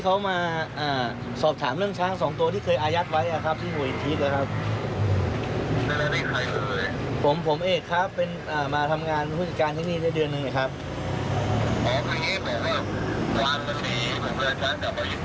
ผมไม่รู้เรื่องอะไรหรอกแต่ผมรู้ว่าช้างมันอยู่ในช้าง